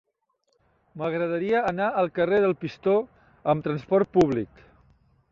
M'agradaria anar al carrer del Pistó amb trasport públic.